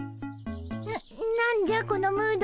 な何じゃこのムードは。